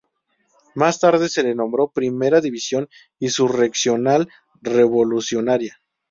Más tarde se le nombró Primera División Insurreccional Revolucionaria.